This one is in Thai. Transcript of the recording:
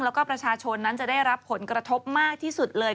แล้วก็ประชาชนนั้นจะได้รับผลกระทบมากที่สุดเลย